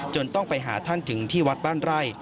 ต้องไปหาท่านถึงที่วัดบ้านไร่